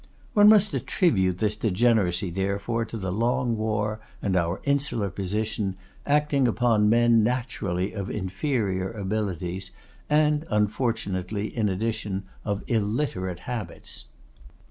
One must attribute this degeneracy, therefore, to the long war and our insular position, acting upon men naturally of inferior abilities, and unfortunately, in addition, of illiterate habits.